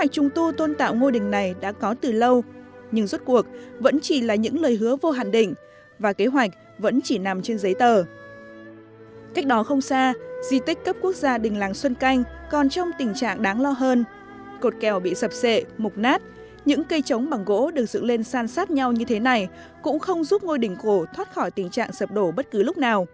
còn trong tình trạng đáng lo hơn cột kèo bị sập sệ mục nát những cây trống bằng gỗ được giữ lên san sát nhau như thế này cũng không giúp ngôi đỉnh cổ thoát khỏi tình trạng sập đổ bất cứ lúc nào